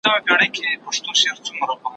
زه به اوږده موده د سوالونو جواب ورکړی وم!؟